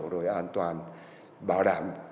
rồi an toàn bảo đảm